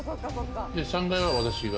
３階は私が。